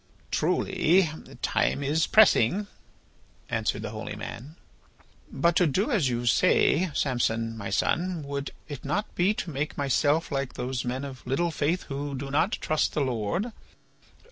"Truly time is pressing," answered the holy man. "But to do as you say, Samson, my son, would it not be to make myself like those men of little faith who do not trust the Lord?